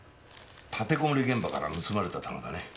立てこもり現場から盗まれた弾だね。